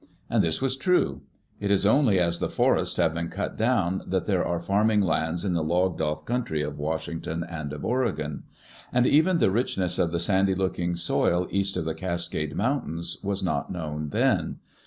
And this was true. It is only as the forests have been cut down that there are farming lands in the logged off country of Washington and of Oregon. And even the richness of the sandy looking soil east of the Cascade Mountains was not known then.